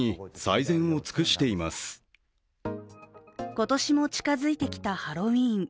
今年も近づいてきたハロウィーン。